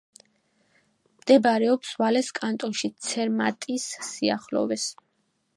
მდებარეობს ვალეს კანტონში, ცერმატის სიახლოვეს.